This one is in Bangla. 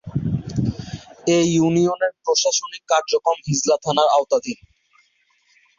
এ ইউনিয়নের প্রশাসনিক কার্যক্রম হিজলা থানার আওতাধীন।